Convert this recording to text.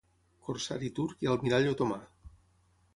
Corsari turc i Almirall Otomà.